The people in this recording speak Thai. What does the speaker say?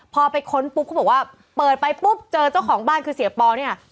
พอไปค้นปุ๊บเขาบอกว่าเปิดไปปุ๊บเจอเจ้าของบ้านคือเสียปอเนี่ย